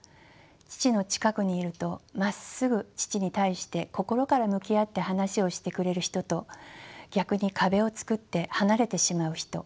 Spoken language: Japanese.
父の近くにいるとまっすぐ父に対して心から向き合って話をしてくれる人と逆に壁を作って離れてしまう人。